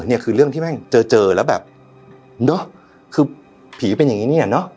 นี่คือเรื่องที่แม่งเจอเจอแล้วแบบเนอะคือผีเป็นอย่างนี้เนี่ยเนอะ